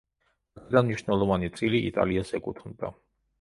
აქედან მნიშვნელოვანი წილი იტალიას ეკუთვნოდა.